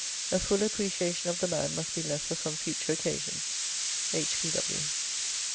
A fuller "appreciation" of the man must be left for some future occasion. H. B. W.